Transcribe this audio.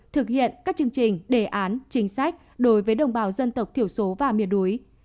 thực hiện các chương trình đề án chính sách đối với đồng bào dân tộc thiểu số và miền núi